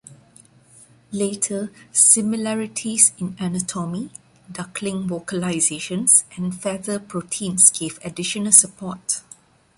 Later, similarities in anatomy, duckling vocalizations, and feather proteins gave additional support.